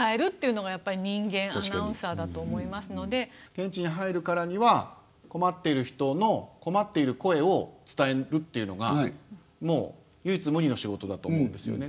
現地に入るからには困っている人の困っている声を伝えるっていうのがもう唯一無二の仕事だと思うんですよね。